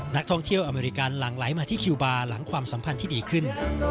นักท่องเที่ยวอเมริกันหลังไหลมาที่คิวบาร์หลังความสัมพันธ์ที่ดีขึ้น